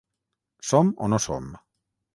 Som o no som?